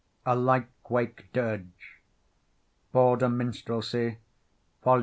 A LYKE WAKE DIRGE (Border Minstrelsy, vol.